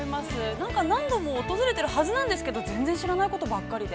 なんか、何度も訪れてるはずなんですけど全然知らないことばっかりで。